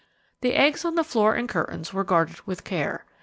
The eggs on the floor and curtains were guarded with care.